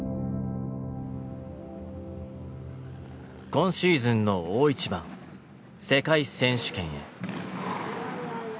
今シーズンの大一番世界選手権へ。